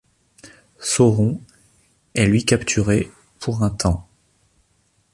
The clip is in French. Sauron est lui capturé pour un temps.